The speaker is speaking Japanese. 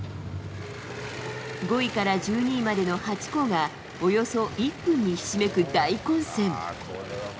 ５位から１２位までの８校がおよそ１分にひしめく大混戦。